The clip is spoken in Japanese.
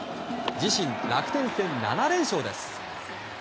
自身、楽天戦７連勝です。